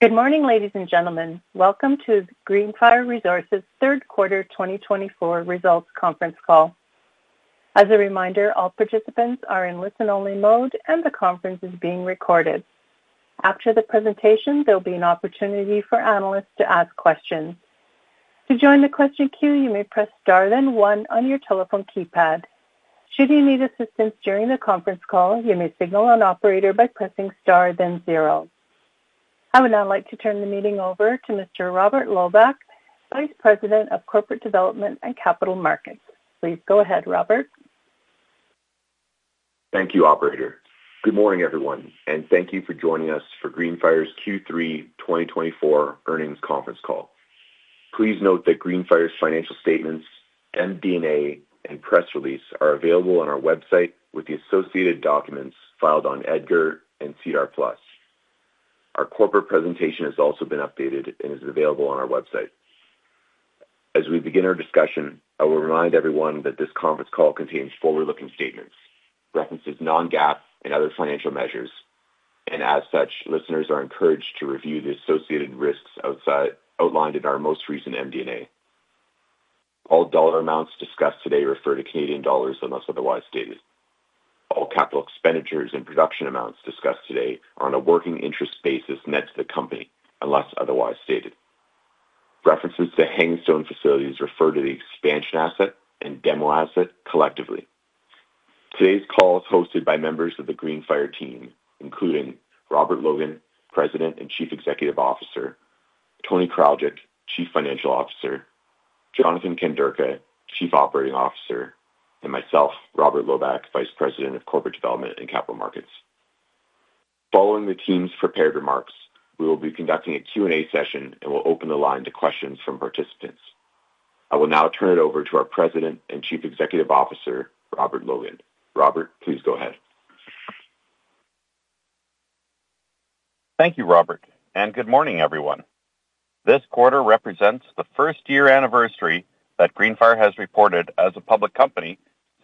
Good morning, ladies and gentlemen. Welcome to Greenfire Resources' Third Quarter 2024 Results Conference Call. As a reminder, all participants are in listen-only mode, and the conference is being recorded. After the presentation, there will be an opportunity for analysts to ask questions. To join the question queue, you may press star then one on your telephone keypad. Should you need assistance during the conference call, you may signal an operator by pressing star then zero. I would now like to turn the meeting over to Mr. Robert Loebach, Vice President of Corporate Development and Capital Markets. Please go ahead, Robert. Thank you, Operator. Good morning, everyone, and thank you for joining us for Greenfire's Q3 2024 Earnings Conference Call. Please note that Greenfire's financial statements, MD&A, and press release are available on our website with the associated documents filed on EDGAR and SEDAR+. Our corporate presentation has also been updated and is available on our website. As we begin our discussion, I will remind everyone that this conference call contains forward-looking statements, references non-GAAP and other financial measures, and as such, listeners are encouraged to review the associated risks outlined in our most recent MD&A. All dollar amounts discussed today refer to Canadian dollars unless otherwise stated. All capital expenditures and production amounts discussed today are on a working interest basis net to the company unless otherwise stated. References to Hanging Stone facilities refer to the Expansion Asset and Demo Asset collectively. Today's call is hosted by members of the Greenfire team, including Robert Logan, President and Chief Executive Officer, Tony Kraljic, Chief Financial Officer, Jonathan Kanderka, Chief Operating Officer, and myself, Robert Loebach, Vice President of Corporate Development and Capital Markets. Following the team's prepared remarks, we will be conducting a Q&A session and will open the line to questions from participants. I will now turn it over to our President and Chief Executive Officer, Robert Logan. Robert, please go ahead. Thank you, Robert, and good morning, everyone. This quarter represents the first-year anniversary that Greenfire has reported as a public company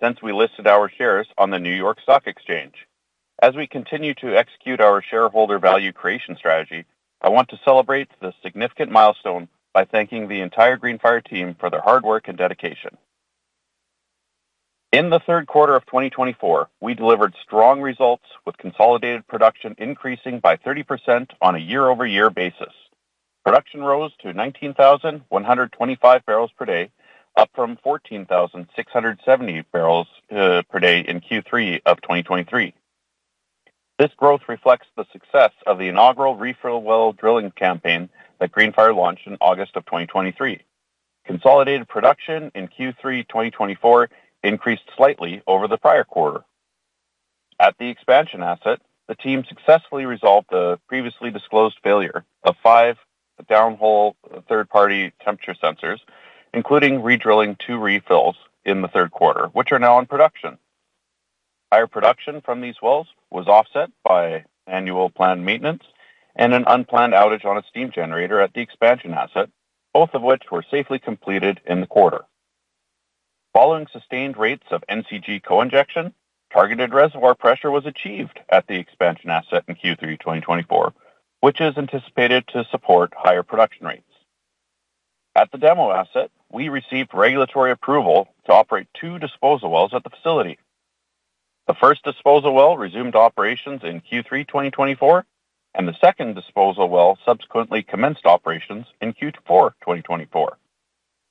since we listed our shares on the New York Stock Exchange. As we continue to execute our shareholder value creation strategy, I want to celebrate the significant milestone by thanking the entire Greenfire team for their hard work and dedication. In the third quarter of 2024, we delivered strong results, with consolidated production increasing by 30% on a year-over-year basis. Production rose to 19,125 barrels per day, up from 14,670 barrels per day in Q3 of 2023. This growth reflects the success of the inaugural refill well drilling campaign that Greenfire launched in August of 2023. Consolidated production in Q3 2024 increased slightly over the prior quarter. At the expansion asset, the team successfully resolved the previously disclosed failure of five downhole third-party temperature sensors, including redrilling two refills in the third quarter, which are now in production. Higher production from these wells was offset by annual planned maintenance and an unplanned outage on a steam generator at the expansion asset, both of which were safely completed in the quarter. Following sustained rates of NCG co-injection, targeted reservoir pressure was achieved at the expansion asset in Q3 2024, which is anticipated to support higher production rates. At the demo asset, we received regulatory approval to operate two disposal wells at the facility. The first disposal well resumed operations in Q3 2024, and the second disposal well subsequently commenced operations in Q4 2024.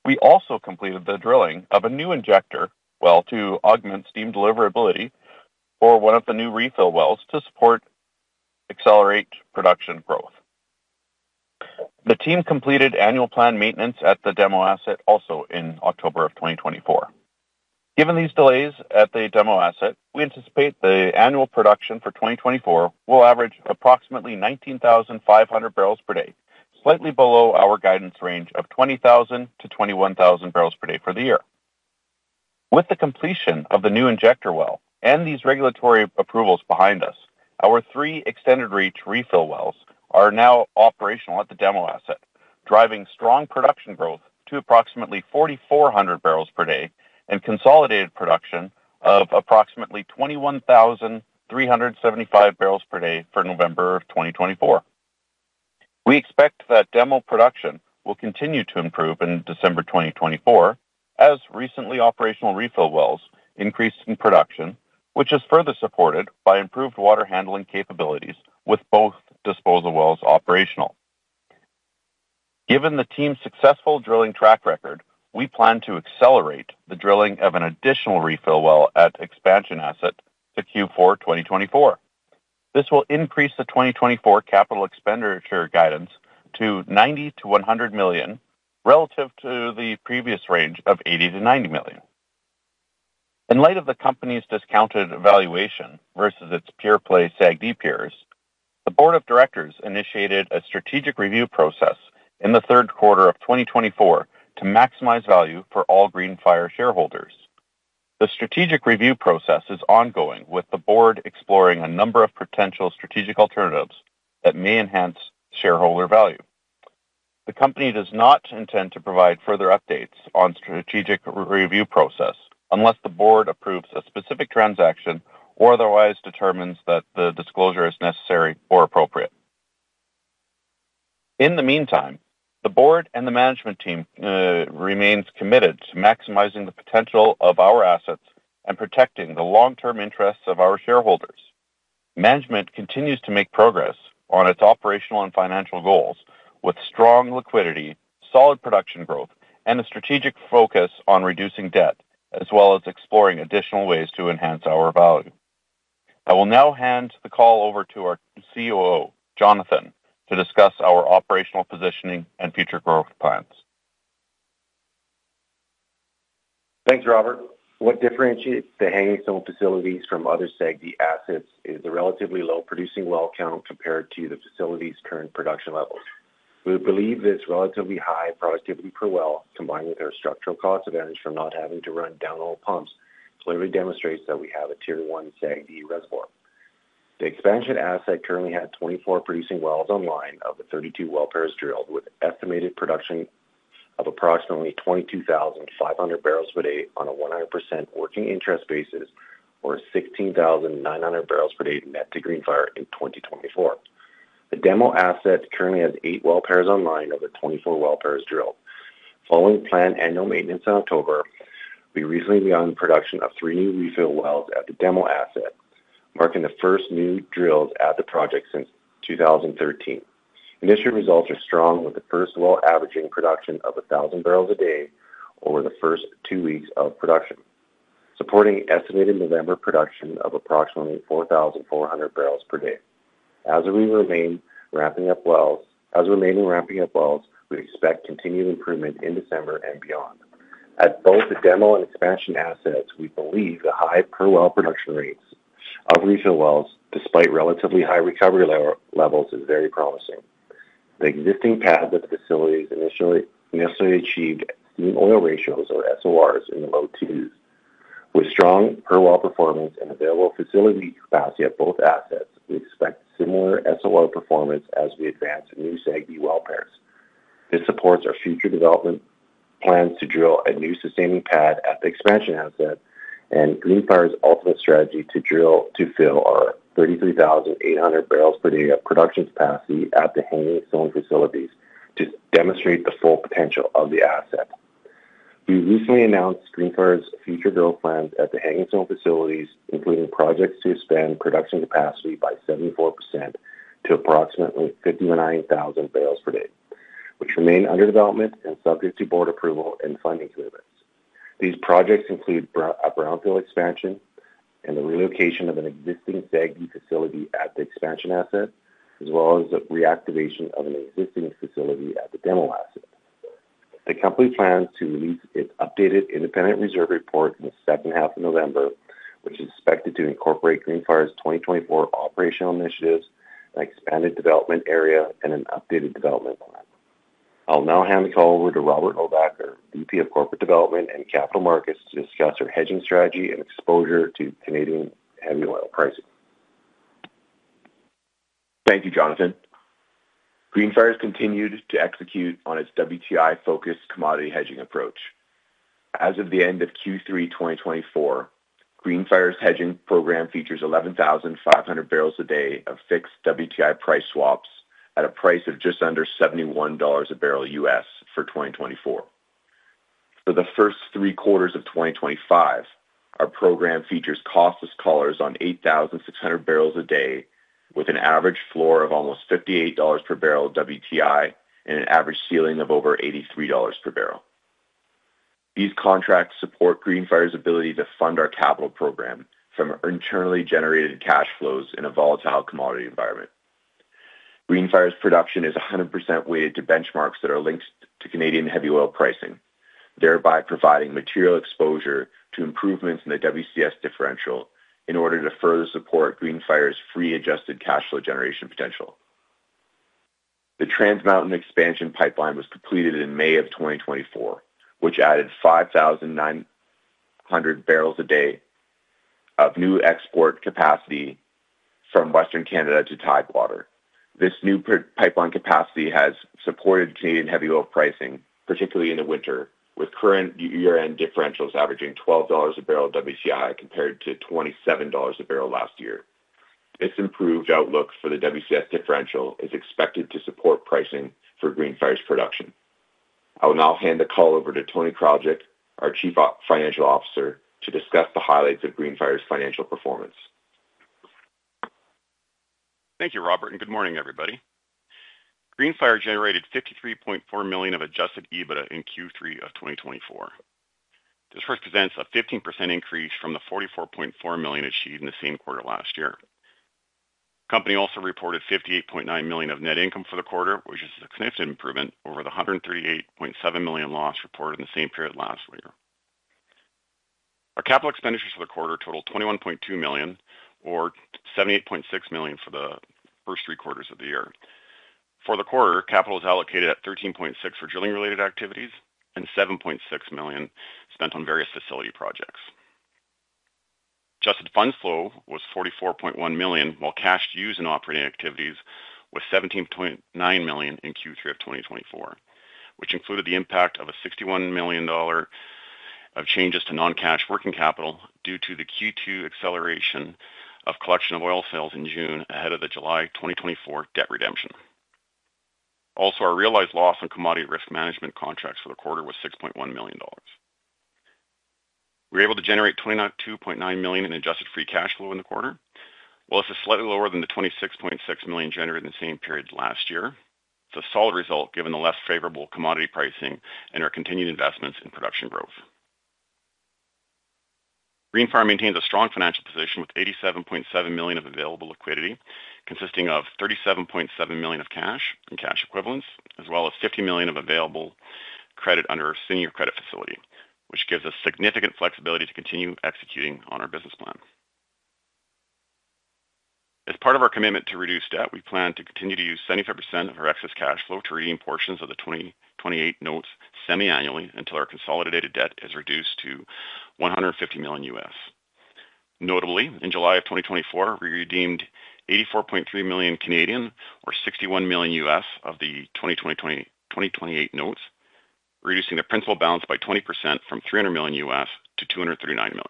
We also completed the drilling of a new injector well to augment steam deliverability for one of the new refill wells to support and accelerate production growth. The team completed annual planned maintenance at the Demo Asset also in October of 2024. Given these delays at the Demo Asset, we anticipate the annual production for 2024 will average approximately 19,500 barrels per day, slightly below our guidance range of 20,000-21,000 barrels per day for the year. With the completion of the new injector well and these regulatory approvals behind us, our three extended-reach refill wells are now operational at the Demo Asset, driving strong production growth to approximately 4,400 barrels per day and consolidated production of approximately 21,375 barrels per day for November of 2024. We expect that Demo production will continue to improve in December 2024, as recently operational refill wells increased in production, which is further supported by improved water handling capabilities with both disposal wells operational. Given the team's successful drilling track record, we plan to accelerate the drilling of an additional refill well at the Expansion Asset to Q4 2024. This will increase the 2024 capital expenditure guidance to 90 million-100 million relative to the previous range of 80 million-90 million. In light of the company's discounted valuation versus its pure-play SAGD peers, the Board of Directors initiated a strategic review process in the third quarter of 2024 to maximize value for all Greenfire shareholders. The strategic review process is ongoing, with the board exploring a number of potential strategic alternatives that may enhance shareholder value. The company does not intend to provide further updates on the strategic review process unless the board approves a specific transaction or otherwise determines that the disclosure is necessary or appropriate. In the meantime, the board and the management team remain committed to maximizing the potential of our assets and protecting the long-term interests of our shareholders. Management continues to make progress on its operational and financial goals with strong liquidity, solid production growth, and a strategic focus on reducing debt, as well as exploring additional ways to enhance our value. I will now hand the call over to our COO, Jonathan, to discuss our operational positioning and future growth plans. Thanks, Robert. What differentiates the Hanging Stone facilities from other SAGD assets is the relatively low producing well count compared to the facility's current production levels. We believe this relatively high productivity per well, combined with our structural cost advantage from not having to run downhole pumps, clearly demonstrates that we have a tier-one SAGD reservoir. The Expansion Asset currently had 24 producing wells online of the 32 well pairs drilled, with an estimated production of approximately 22,500 barrels per day on a 100% working interest basis or 16,900 barrels per day net to Greenfire in 2024. The Demo Asset currently has eight well pairs online of the 24 well pairs drilled. Following planned annual maintenance in October, we recently began production of three new refill wells at the Demo Asset, marking the first new drills at the project since 2013. Initial results are strong, with the first well averaging production of 1,000 barrels a day over the first two weeks of production, supporting estimated November production of approximately 4,400 barrels per day. As we remain ramping up wells, we expect continued improvement in December and beyond. At both the Demo and Expansion assets, we believe the high per well production rates of refill wells, despite relatively high recovery levels, is very promising. The existing pads that the facilities initially achieved steam oil ratios or SORs in the low twos. With strong per well performance and available facility capacity at both assets, we expect similar SOR performance as we advance new SAGD well pairs. This supports our future development plans to drill a new sustaining pad at the Expansion Asset and Greenfire's ultimate strategy to drill to fill our 33,800 barrels per day of production capacity at the Hanging Stone facilities to demonstrate the full potential of the asset. We recently announced Greenfire's future growth plans at the Hanging Stone facilities, including projects to expand production capacity by 74% to approximately 59,000 barrels per day, which remain under development and subject to board approval and funding commitments. These projects include a brownfield expansion and the relocation of an existing SAGD facility at the Expansion Asset, as well as the reactivation of an existing facility at the Demo Asset. The company plans to release its updated independent reserve report in the second half of November, which is expected to incorporate Greenfire's 2024 operational initiatives, an expanded development area, and an updated development plan. I'll now hand the call over to Robert Loebach, our VP of Corporate Development and Capital Markets, to discuss our hedging strategy and exposure to Canadian heavy oil pricing. Thank you, Jonathan. Greenfire has continued to execute on its WTI-focused commodity hedging approach. As of the end of Q3 2024, Greenfire's hedging program features 11,500 barrels a day of fixed WTI price swaps at a price of just under $71 a barrel U.S. for 2024. For the first three quarters of 2025, our program features costless collars on 8,600 barrels a day, with an average floor of almost $58 per barrel WTI and an average ceiling of over $83 per barrel. These contracts support Greenfire's ability to fund our capital program from internally generated cash flows in a volatile commodity environment. Greenfire's production is 100% weighted to benchmarks that are linked to Canadian heavy oil pricing, thereby providing material exposure to improvements in the WCS differential in order to further support Greenfire's adjusted free cash flow generation potential. The Trans Mountain Expansion Pipeline was completed in May of 2024, which added 5,900 barrels a day of new export capacity from Western Canada to tidewater. This new pipeline capacity has supported Canadian heavy oil pricing, particularly in the winter, with current year-end differentials averaging $12 a barrel WTI compared to $27 a barrel last year. This improved outlook for the WCS differential is expected to support pricing for Greenfire's production. I will now hand the call over to Tony Kraljic, our Chief Financial Officer, to discuss the highlights of Greenfire's financial performance. Thank you, Robert, and good morning, everybody. Greenfire generated 53.4 million of Adjusted EBITDA in Q3 of 2024. This represents a 15% increase from the 44.4 million achieved in the same quarter last year. The company also reported 58.9 million of net income for the quarter, which is a significant improvement over the 138.7 million loss reported in the same period last year. Our capital expenditures for the quarter totaled 21.2 million or 78.6 million for the first three quarters of the year. For the quarter, capital was allocated at 13.6 for drilling-related activities and 7.6 million spent on various facility projects. Adjusted Funds Flow was 44.1 million, while cash used in operating activities was 17.9 million in Q3 of 2024, which included the impact of a $61 million of changes to non-cash working capital due to the Q2 acceleration of collection of oil sales in June ahead of the July 2024 debt redemption. Also, our realized loss on commodity risk management contracts for the quarter was $6.1 million. We were able to generate 22.9 million in Adjusted Free Cash Flow in the quarter, while this is slightly lower than the 26.6 million generated in the same period last year. It's a solid result given the less favorable commodity pricing and our continued investments in production growth. Greenfire maintains a strong financial position with 87.7 million of available liquidity, consisting of 37.7 million of cash and cash equivalents, as well as 50 million of available credit under a senior credit facility, which gives us significant flexibility to continue executing on our business plan. As part of our commitment to reduce debt, we plan to continue to use 75% of our excess cash flow to redeem portions of the 2028 notes semi-annually until our consolidated debt is reduced to $150 million. Notably, in July of 2024, we redeemed 84.3 million or $61 million of the 2028 notes, reducing the principal balance by 20% from $300 million to $239 million.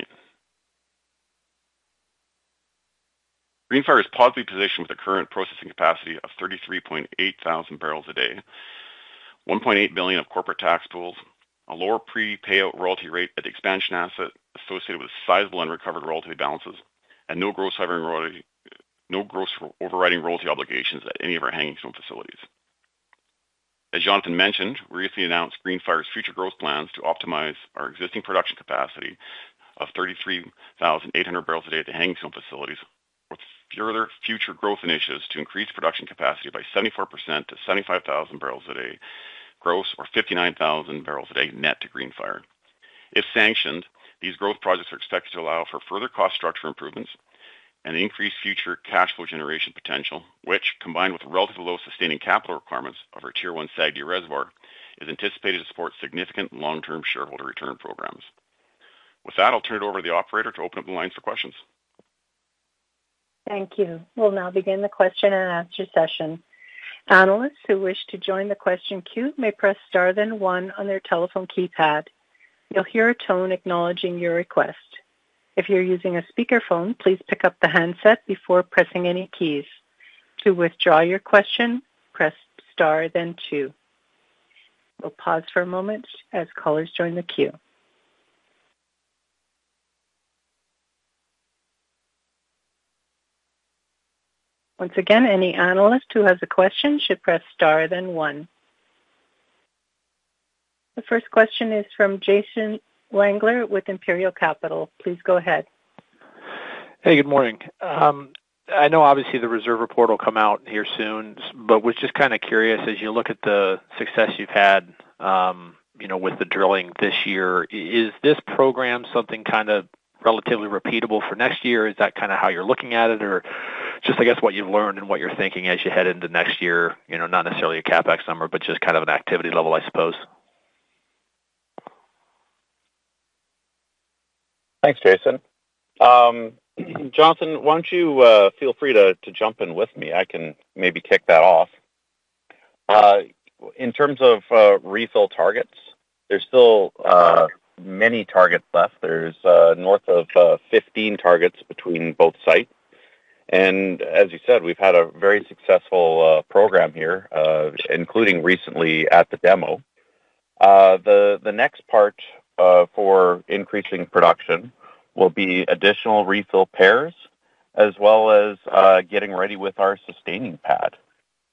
Greenfire is positively positioned with a current processing capacity of 33.8 thousand barrels a day, 1.8 billion of corporate tax pools, a lower prepay royalty rate at the Expansion Asset associated with sizable unrecovered royalty balances, and no gross overriding royalty obligations at any of our Hanging Stone facilities. As Jonathan mentioned, we recently announced Greenfire's future growth plans to optimize our existing production capacity of 33,800 barrels a day at the Hanging Stone facilities, with further future growth initiatives to increase production capacity by 74% to 75,000 barrels a day gross or 59,000 barrels a day net to Greenfire. If sanctioned, these growth projects are expected to allow for further cost structure improvements and increase future cash flow generation potential, which, combined with relatively low sustaining capital requirements of our tier-one SAGD reservoir, is anticipated to support significant long-term shareholder return programs. With that, I'll turn it over to the operator to open up the lines for questions. Thank you. We'll now begin the question and answer session. Analysts who wish to join the question queue may press star then one on their telephone keypad. You'll hear a tone acknowledging your request. If you're using a speakerphone, please pick up the handset before pressing any keys. To withdraw your question, press star then two. We'll pause for a moment as callers join the queue. Once again, any analyst who has a question should press star then one. The first question is from Jason Wangler with Imperial Capital. Please go ahead. Hey, good morning. I know obviously the reserve report will come out here soon, but was just kind of curious, as you look at the success you've had with the drilling this year, is this program something kind of relatively repeatable for next year? Is that kind of how you're looking at it, or just, I guess, what you've learned and what you're thinking as you head into next year, not necessarily a CapEx number, but just kind of an activity level, I suppose? Thanks, Jason. Jonathan, why don't you feel free to jump in with me? I can maybe kick that off. In terms of refill targets, there's still many targets left. There's north of 15 targets between both sites. And as you said, we've had a very successful program here, including recently at the demo. The next part for increasing production will be additional refill pairs, as well as getting ready with our sustaining pad.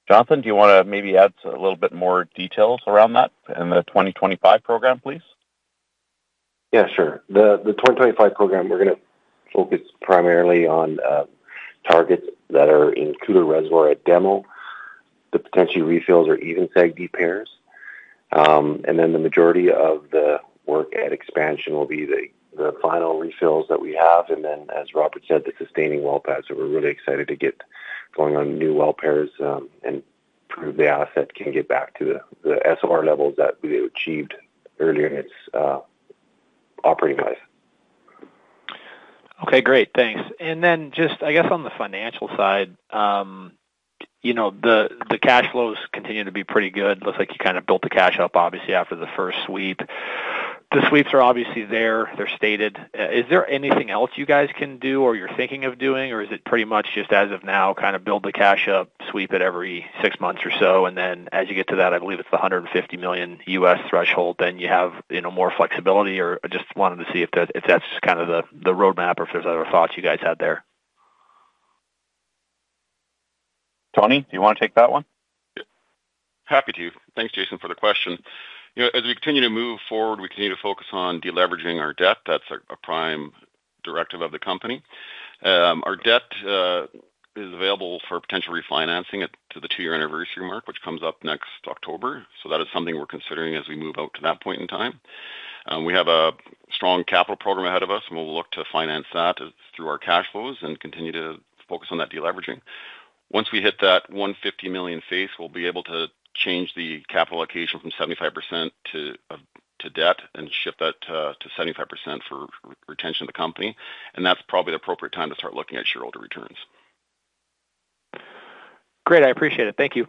Jonathan, do you want to maybe add a little bit more details around that and the 2025 program, please? Yeah, sure. The 2025 program, we're going to focus primarily on targets that are in cooler reservoir at Demo, the potential refills, or even SAGD pairs. And then the majority of the work at Expansion will be the final refills that we have. And then, as Robert said, the sustaining well pads. So we're really excited to get going on new well pairs and prove the asset can get back to the SOR levels that we achieved earlier in its operating life. Okay, great. Thanks. And then just, I guess, on the financial side, the cash flows continue to be pretty good. Looks like you kind of built the cash up, obviously, after the first sweep. The sweeps are obviously there. They're stated. Is there anything else you guys can do or you're thinking of doing, or is it pretty much just, as of now, kind of build the cash up, sweep it every six months or so? And then as you get to that, I believe it's the $150 million USD threshold, then you have more flexibility. Or I just wanted to see if that's just kind of the roadmap or if there's other thoughts you guys had there. Tony, do you want to take that one? Happy to. Thanks, Jason, for the question. As we continue to move forward, we continue to focus on deleveraging our debt. That's a prime directive of the company. Our debt is available for potential refinancing to the two-year anniversary mark, which comes up next October. So that is something we're considering as we move out to that point in time. We have a strong capital program ahead of us, and we'll look to finance that through our cash flows and continue to focus on that deleveraging. Once we hit that 150 million face, we'll be able to change the capital allocation from 75% to debt and shift that to 75% for retention of the company. That's probably the appropriate time to start looking at shareholder returns. Great. I appreciate it. Thank you.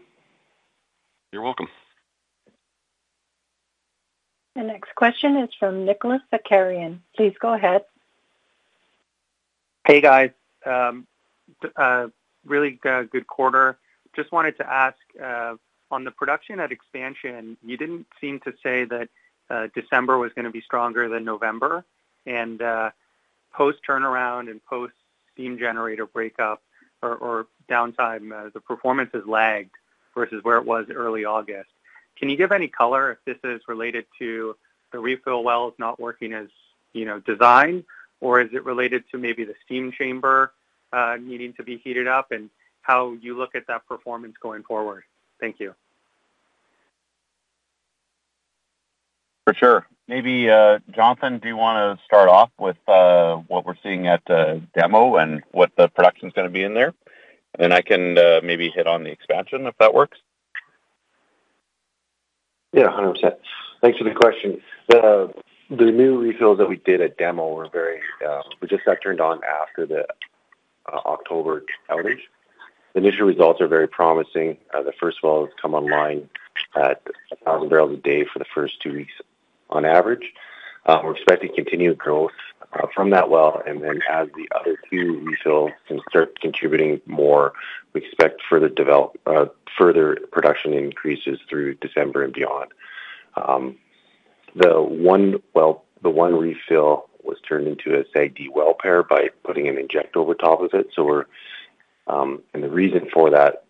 You're welcome. The next question is from Nicolas Achkarian. Please go ahead. Hey, guys. Really good quarter. Just wanted to ask, on the production at expansion, you didn't seem to say that December was going to be stronger than November. And post-turnaround and post-steam generator breakup or downtime, the performance has lagged versus where it was early August. Can you give any color if this is related to the refill wells not working as designed, or is it related to maybe the steam chamber needing to be heated up and how you look at that performance going forward? Thank you. For sure. Maybe Jonathan, do you want to start off with what we're seeing at Demo and what the production's going to be in there? And then I can maybe hit on the Expansion if that works. Yeah, 100%. Thanks for the question. The new refills that we did at demo were very—we just got turned on after the October outages. The initial results are very promising. The first wells come online at 1,000 barrels a day for the first two weeks on average. We're expecting continued growth from that well, and then as the other two refills can start contributing more, we expect further production increases through December and beyond. The one refill was turned into a SAGD well pair by putting an injector over top of it, and the reason for that,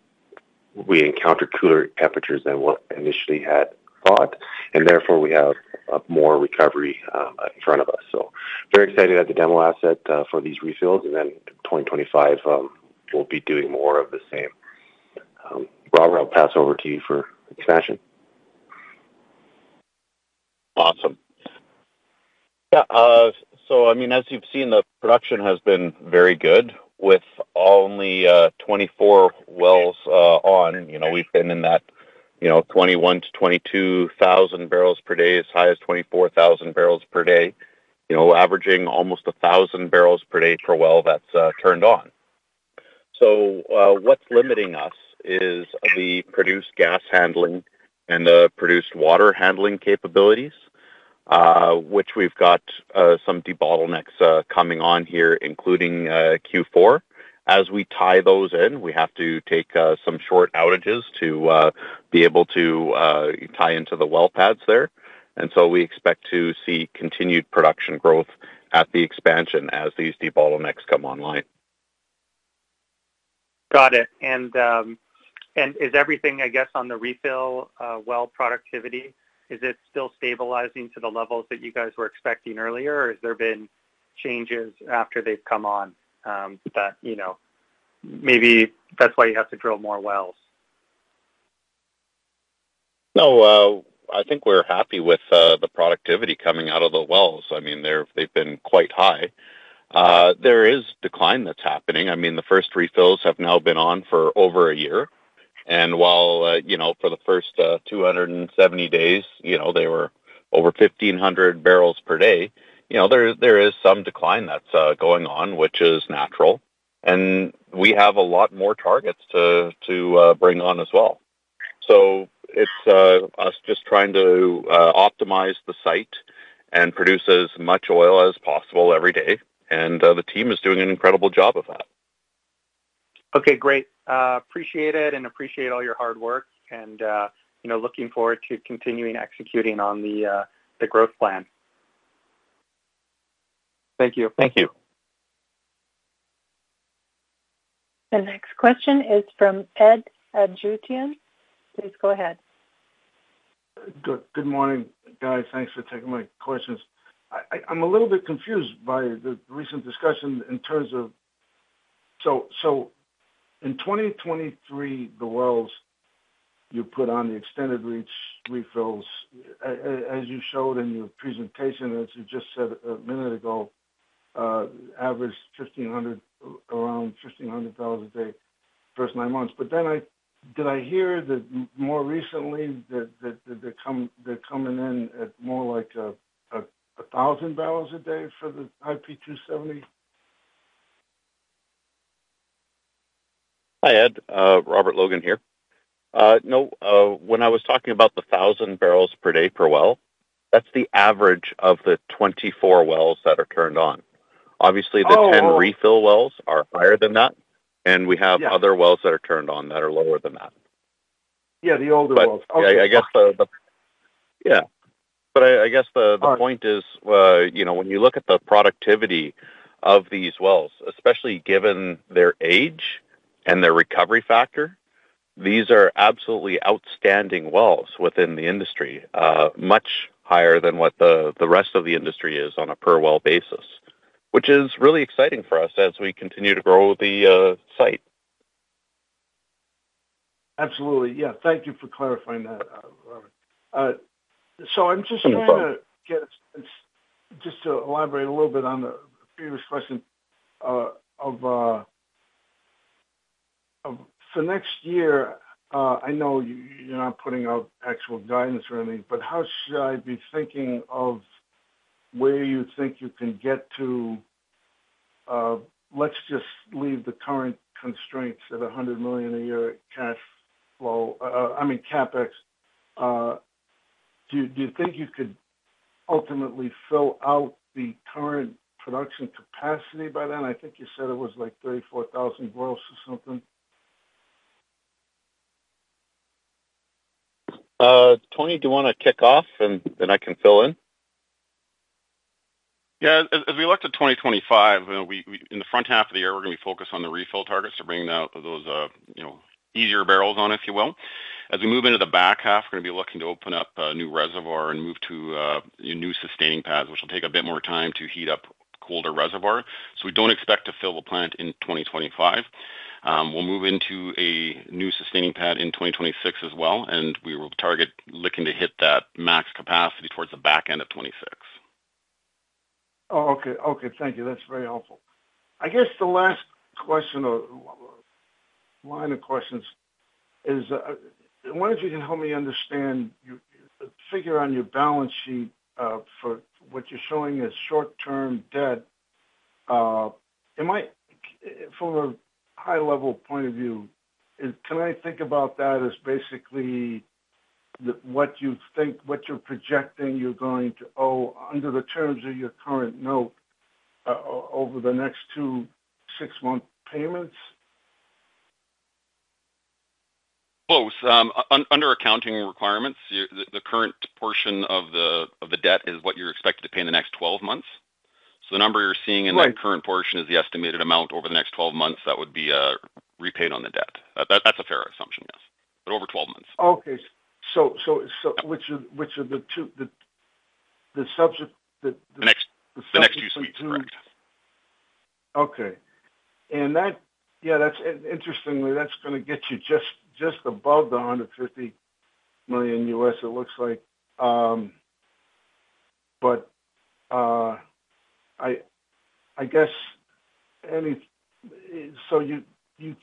we encountered cooler temperatures than what initially had thought, and therefore, we have more recovery in front of us, so very excited at the demo asset for these refills, and then 2025, we'll be doing more of the same. Robert, I'll pass over to you for expansion. Awesome. Yeah, so I mean, as you've seen, the production has been very good. With only 24 wells on, we've been in that 21-22 thousand barrels per day, as high as 24,000 barrels per day, averaging almost 1,000 barrels per day per well that's turned on. So what's limiting us is the produced gas handling and the produced water handling capabilities, which we've got some de-bottlenecks coming on here, including Q4. As we tie those in, we have to take some short outages to be able to tie into the well pads there, and so we expect to see continued production growth at the expansion as these de-bottlenecks come online. Got it. And is everything, I guess, on the refill well productivity, is it still stabilizing to the levels that you guys were expecting earlier, or have there been changes after they've come on that maybe that's why you have to drill more wells? No, I think we're happy with the productivity coming out of the wells. I mean, they've been quite high. There is decline that's happening. I mean, the first refills have now been on for over a year, and while for the first 270 days, they were over 1,500 barrels per day, there is some decline that's going on, which is natural, and we have a lot more targets to bring on as well, so it's us just trying to optimize the site and produce as much oil as possible every day, and the team is doing an incredible job of that. Okay, great. Appreciate it and appreciate all your hard work. And looking forward to continuing executing on the growth plan. Thank you. Thank you. The next question is from Ed Adjutian. Please go ahead. Good morning, guys. Thanks for taking my questions. I'm a little bit confused by the recent discussion in terms of, so in 2023, the wells you put on the extended reach refills, as you showed in your presentation, as you just said a minute ago, averaged around 1,500 barrels a day first nine months. But then did I hear that more recently they're coming in at more like 1,000 barrels a day for the IP270? Hi, Ed. Robert Logan here. No, when I was talking about the 1,000 barrels per day per well, that's the average of the 24 wells that are turned on. Obviously, the 10 refill wells are higher than that, and we have other wells that are turned on that are lower than that. Yeah, the older wells. Yeah, but I guess the point is, when you look at the productivity of these wells, especially given their age and their recovery factor, these are absolutely outstanding wells within the industry, much higher than what the rest of the industry is on a per well basis, which is really exciting for us as we continue to grow the site. Absolutely. Yeah. Thank you for clarifying that, Robert. So I'm just trying to get a sense just to elaborate a little bit on the previous question of for next year. I know you're not putting out actual guidance or anything, but how should I be thinking of where you think you can get to? Let's just leave the current constraints at 100 million a year cash flow. I mean, CapEx. Do you think you could ultimately fill out the current production capacity by then? I think you said it was like 34,000 gross or something. Tony, do you want to kick off, and then I can fill in? Yeah. As we look to 2025, in the front half of the year, we're going to be focused on the refill targets to bring those easier barrels on, if you will. As we move into the back half, we're going to be looking to open up a new reservoir and move to new sustaining pads, which will take a bit more time to heat up cooler reservoir. So we don't expect to fill the plant in 2025. We'll move into a new sustaining pad in 2026 as well. And we will target looking to hit that max capacity towards the back end of 2026. Oh, okay. Okay. Thank you. That's very helpful. I guess the last line of questions is, why don't you help me understand, figure on your balance sheet for what you're showing as short-term debt? From a high-level point of view, can I think about that as basically what you think, what you're projecting you're going to owe under the terms of your current note over the next two six-month payments? Both. Under accounting requirements, the current portion of the debt is what you're expected to pay in the next 12 months. So the number you're seeing in the current portion is the estimated amount over the next 12 months that would be repaid on the debt. That's a fair assumption, yes. But over 12 months. Okay. So which are the two? The next two suites of debt. Okay. Yeah, interestingly, that's going to get you just above the $150 million, it looks like. I guess so you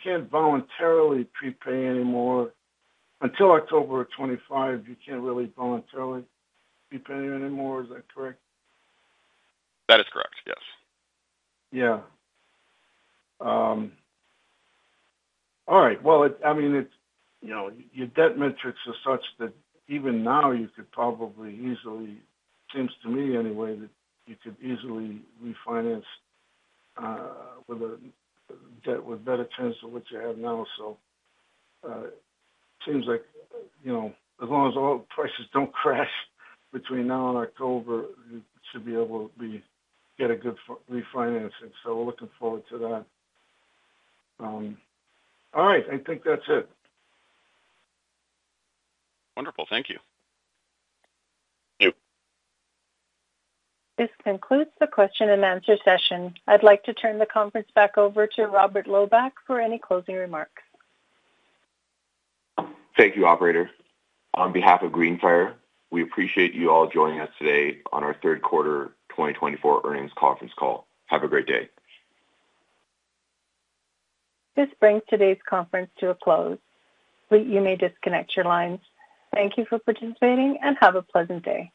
can't voluntarily prepay anymore. Until October of 2025, you can't really voluntarily prepay anymore. Is that correct? That is correct, yes. Yeah. All right. Well, I mean, your debt metrics are such that even now you could probably easily, seems to me anyway, that you could easily refinance with better terms than what you have now. So it seems like as long as all prices don't crash between now and October, you should be able to get a good refinancing. So we're looking forward to that. All right. I think that's it. Wonderful. Thank you. Thank you. This concludes the question and answer session. I'd like to turn the conference back over to Robert Loebach for any closing remarks. Thank you, operator. On behalf of Greenfire, we appreciate you all joining us today on our third quarter 2024 earnings conference call. Have a great day. This brings today's conference to a close. You may disconnect your lines. Thank you for participating and have a pleasant day.